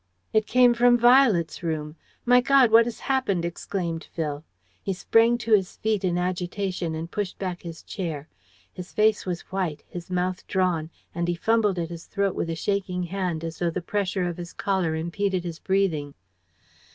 "It came from Violet's room! My God, what has happened?" exclaimed Phil. He sprang to his feet in agitation and pushed back his chair. His face was white, his mouth drawn, and he fumbled at his throat with a shaking hand, as though the pressure of his collar impeded his breathing.